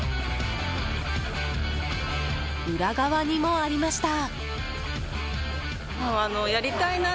裏側にもありました。